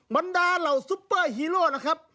บรรดาเหล่าซุปเปอร์ฮีโร่นะครับ